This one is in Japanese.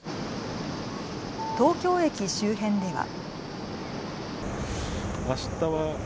東京駅周辺では。